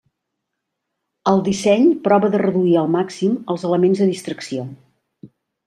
El disseny prova de reduir al màxim els elements de distracció.